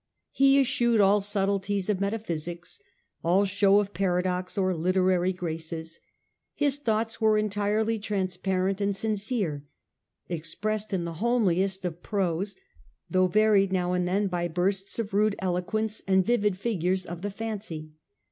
He eschewed all subtleties of metaphysics, all show of paradox or literary graces ; his thoughts are entirely transparent and sincere, expressed in the homeliest of prose, though varied now and then by bursts of rude eloquence and vivid figures of the fancy.